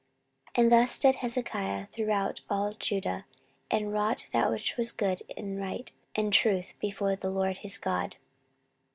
14:031:020 And thus did Hezekiah throughout all Judah, and wrought that which was good and right and truth before the LORD his God.